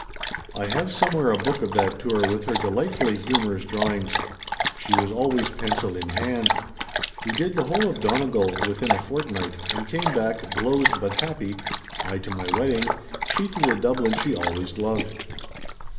I have somewhere a book of that tour with her delight fully hiunorous drawings. She was always pencil in hand. We did the whole of Donegal within a fortnight, and came back, blowzed but happy, I to my wedding, she to the Dublin she always loved.